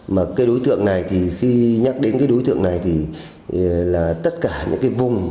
mà cái đối tượng này thì khi nhắc đến cái đối tượng này thì là tất cả những cái vùng